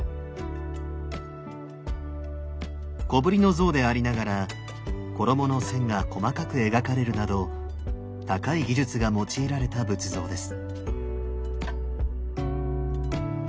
小ぶりの像でありながら衣の線が細かく描かれるなど高い技術が用いられた仏像です。